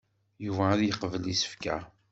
Yuba ad yeqbel isefka.